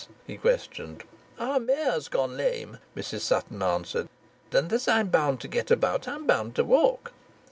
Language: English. he questioned. "Our mare's gone lame," Mrs Sutton answered, "and as I'm bound to get about I'm bound to walk."